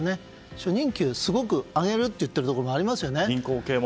初任給をすごく上げると言っているところもありますよね。